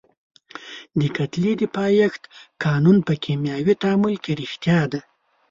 د کتلې د پایښت قانون په کیمیاوي تعامل کې ریښتیا دی.